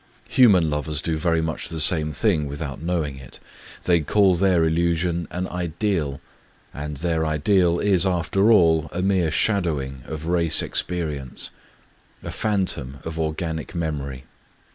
... Human lovers do very much the same thing without knowing it. They call their illu sion an Ideal; and their Ideal is, after all, a mere shadowing of race experience, a phantom of organic memory.